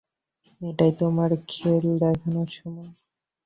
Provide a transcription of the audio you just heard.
এটাই তোমার খেল দেখানোর সময়।